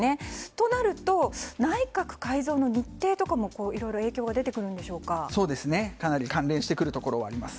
となると、内閣改造の日程とかもいろいろ影響はかなり関連してくるところはあります。